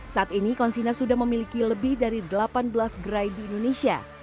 saat ini konsina sudah memiliki lebih dari delapan belas gerai di indonesia